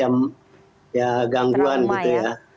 ada macam gangguan gitu ya